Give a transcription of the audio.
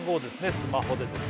スマホでですね